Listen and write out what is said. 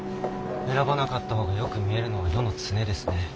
選ばなかったほうが良く見えるのは世の常ですね。